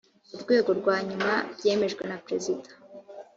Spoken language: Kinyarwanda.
urwego rwa nyuma byemejwe na perezida